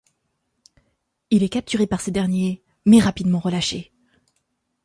Il est capturé par ces derniers mais rapidement relâché.